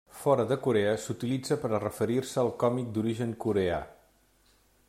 Fora de Corea s'utilitza per a referir-se al còmic d'origen coreà.